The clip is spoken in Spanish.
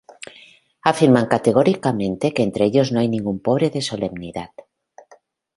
Afirman categóricamente que entre ellos no hay ningún pobre de solemnidad.